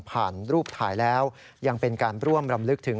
รูปถ่ายแล้วยังเป็นการร่วมรำลึกถึง